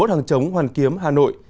bảy mươi một hàng chống hoàn kiếm hà nội